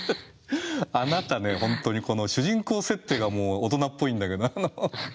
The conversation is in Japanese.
あなたね本当にこの主人公設定がもう大人っぽいんだけど。